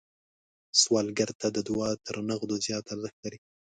سوالګر ته دعا تر نغدو زیات ارزښت لري